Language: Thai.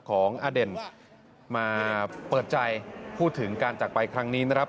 ของอเด่นมาเปิดใจพูดถึงการจักรไปครั้งนี้นะครับ